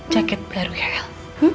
jaket baru ya el